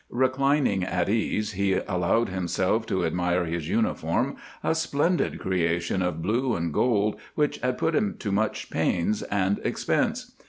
Reclining at ease, he allowed himself to admire his uniform, a splendid creation of blue and gold which had put him to much pains and expense.